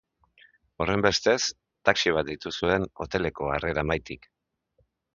Horrenbestez, taxi bat deitu zuten hotele-ko harrera mahaitik.